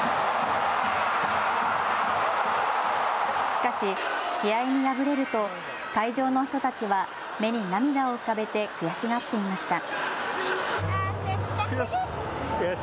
しかし試合に敗れると会場の人たちは目に涙を浮かべて悔しがっていました。